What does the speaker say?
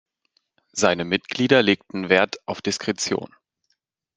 Seine Mitglieder legten Wert auf Diskretion.